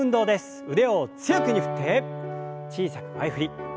腕を強く振って小さく前振り。